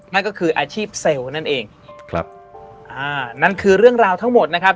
นั่นก็คืออาชีพเซลล์นั่นเองครับอ่านั่นคือเรื่องราวทั้งหมดนะครับ